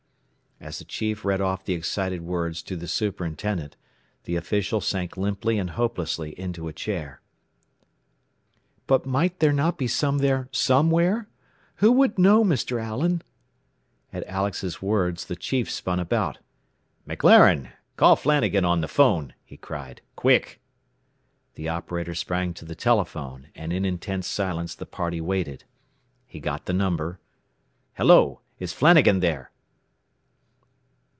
As the chief read off the excited words to the superintendent, the official sank limply and hopelessly into a chair. "But might there not be some there, somewhere? Who would know, Mr. Allen?" At Alex's words the chief spun about. "McLaren, call Flanagan on the 'phone!" he cried. "Quick!" The operator sprang to the telephone, and in intense silence the party waited. He got the number. "Hello! Is Flanagan there?